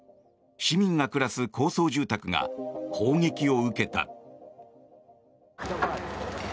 市民が暮らす高層住宅が砲撃を受けた。